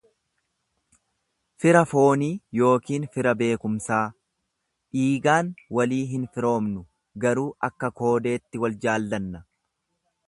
fira foonii yookiin fira beekumsaa; Dhiigaan walii hinfiroomnu, garuu akka koodeetti wal jaallanna.